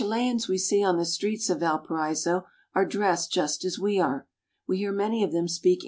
The Chileans we see on the streets of Valparaiso are dressed just as we are. We hear many of them speak 114 CHILE.